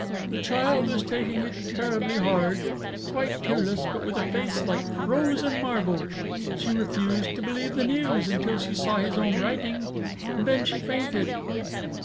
"The child is taking it terribly hard! Quite tearless, but with a face like frozen marble! She refused to believe the news, until she saw his own writing. Then she fainted."